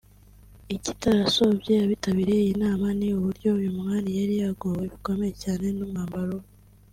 Ikitarasobye abitabiriye iyi nama ni uburyo uyu mwari yari yagowe bikomeye cyane n’umwambaro we